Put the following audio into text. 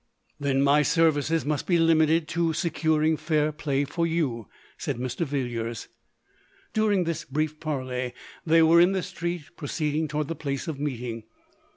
" Then my services must be limited to se curing fair play for you," said Mr. Villiers. During this brief parley, they were in the street, proceeding towards the place of meeting.